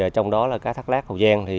trong đó là cá thác lát hậu giang